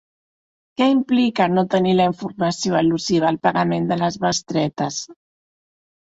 Què implica no tenir la informació al·lusiva al pagament de les bestretes?